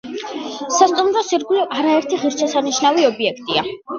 სასტუმროს ირგვლივ არაერთი ღირსშესანიშნავი ობიექტია.